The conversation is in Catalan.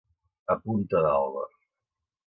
A punta d'alba.